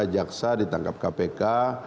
jaksa ditangkap kpk